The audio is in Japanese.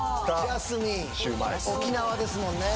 沖縄ですもんね